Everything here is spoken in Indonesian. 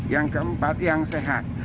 yang keempat yang sehat